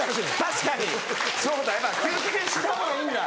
確かにそうだやっぱ休憩した方がいいんだ。